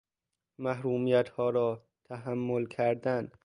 محرومیت ها را تحمل کردن